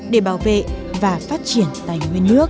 để bảo vệ và phát triển tài nguyên nước